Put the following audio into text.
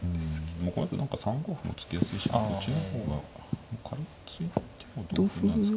もうこれだと何か３五歩も突きやすいしこちらの方が突いても同歩なんですか。